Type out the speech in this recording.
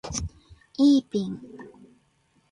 イーピン